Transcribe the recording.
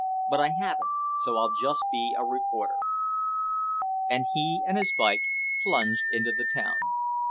But I haven't, so I'll just be a reporter." And he and his bike plunged into the town.